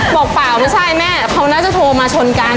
เปล่าไม่ใช่แม่เขาน่าจะโทรมาชนกัน